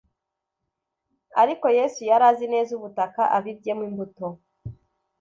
Ariko Yesu yari azi neza ubutaka abibyemo imbuto